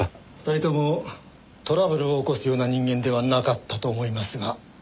２人ともトラブルを起こすような人間ではなかったと思いますが。